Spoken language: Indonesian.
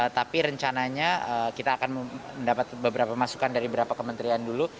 tapi rencananya kita akan mendapat beberapa masukan dari beberapa kementerian dulu